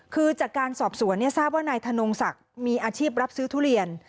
คือจากการสอบสวนทราบว่านายธนงศักดิ์มีอาชีพรับซื้อทุเรียน